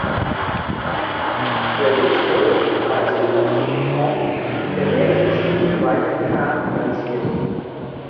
Der Lutz-Röhrich-Preis wird aus dem Fonds der "Märchen-Stiftung Walter Kahn" finanziert.